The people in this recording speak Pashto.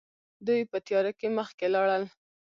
دوی په تياره کې مخکې لاړل.